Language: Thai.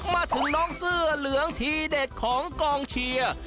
มาถึงน้องเสื้อเหลืองทีเด็ดของกองเชียร์